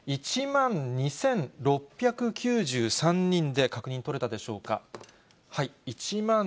１万２６９３人で確認取れたでしょうか。